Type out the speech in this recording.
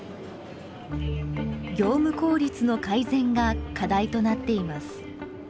業務効率の改善が課題となっています。